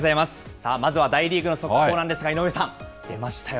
さあ、まずは大リーグの速報なんですが、井上さん、出ましたよ。